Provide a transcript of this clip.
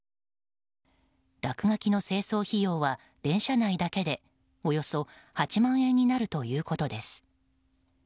落書きの清掃費用は電車内だけでおよそ８万円になるということです。